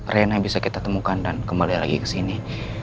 rena bisa kita temukan dan kembali lagi kesini